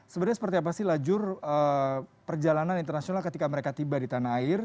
sebenarnya seperti apa sih lajur perjalanan internasional ketika mereka tiba di tanah air